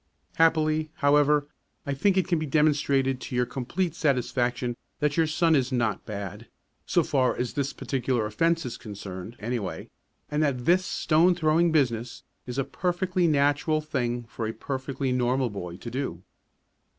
Happily, however, I think it can be demonstrated to your complete satisfaction that your son is not bad so far as this particular offence is concerned, anyway and that this stone throwing business is a perfectly natural thing for a perfectly normal boy to do.